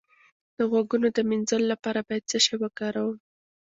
د غوږونو د مینځلو لپاره باید څه شی وکاروم؟